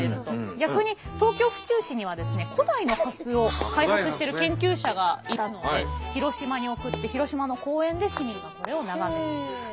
逆に東京・府中市には古代の蓮を開発してる研究者がいたので広島に贈って広島の公園で市民がこれを眺めていると。